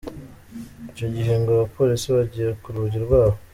Icyo gihe ngo abapolisi bagiye ku rugi rwabo.